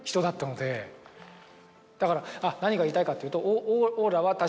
だから何が言いたいかっていうと。